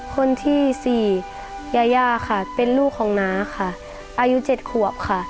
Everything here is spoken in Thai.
คนที่สี่ยาย่าค่ะเป็นลูกของน้าค่ะอายุ๗ขวบค่ะ